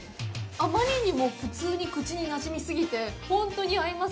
あまりにも普通に口になじみ過ぎて、ほんとに合います！